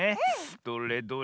どれどれ。